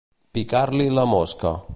Picar-li la mosca.